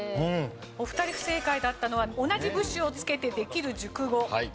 お二人不正解だったのは同じ部首を付けてできる熟語。